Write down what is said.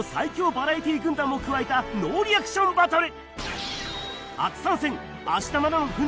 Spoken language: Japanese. バラエティー軍団も加えたノーリアクションバトル！